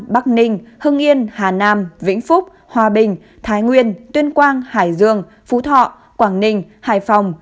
bắc ninh hưng yên hà nam vĩnh phúc hòa bình thái nguyên tuyên quang hải dương phú thọ quảng ninh hải phòng